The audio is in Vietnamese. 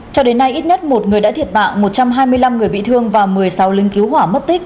cho đến nay ít nhất một người đã thiệt mạng một trăm hai mươi năm người bị thương và một mươi sáu lính cứu hỏa mất tích